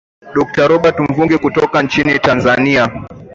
dokta robert mvungi kutoka nchini tanzania